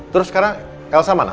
terus sekarang elsa mana